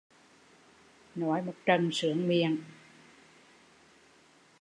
Nói một trận sướng miệng